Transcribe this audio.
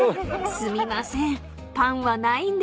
［すみません。